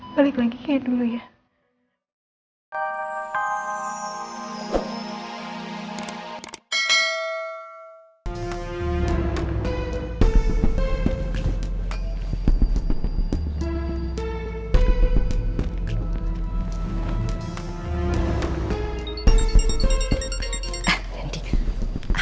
balik lagi kayak dulu ya